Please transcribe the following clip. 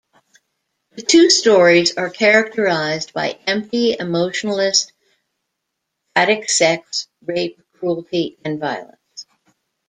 The two stories are characterized by empty, emotionless, phatic sex; rape; cruelty; and violence.